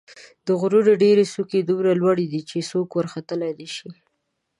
د غرونو ډېرې څوکې یې دومره لوړې دي چې څوک ورختلای نه شي.